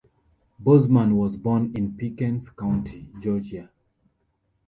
Bozeman was born in Pickens County, Georgia.